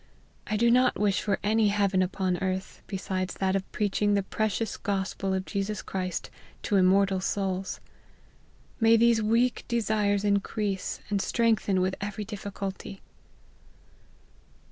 I do not wish for any heaven upon earth besides that of preaching the precious Gospel of Jesus Christ to immortal souls. May these weak desires increase and strengthen with every difficulty."